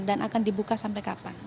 dan akan dibuka sampai kapan